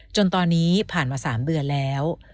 จนตอนนี้ผ่านมา๓เดือนแล้ว